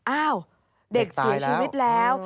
อ้าวเด็กเสียชีวิตแล้ว